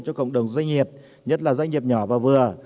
cho cộng đồng doanh nghiệp nhất là doanh nghiệp nhỏ và vừa